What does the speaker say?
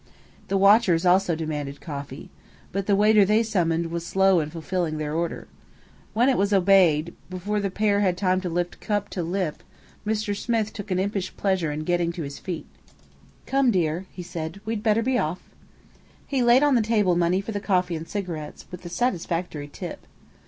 The watchers also demanded coffee. But the waiter they summoned was slow in fulfilling their order. When it was obeyed, before the pair had time to lift cup to lip, Mr. Smith took impish pleasure in getting to his feet. "Come, dear," he said, "we'd better be off." He laid on the table money for the coffee and cigarettes, with a satisfactory tip.